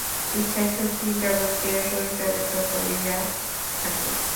ইচ্ছাশক্তিই জগৎকে পরিচালিত করিয়া থাকে।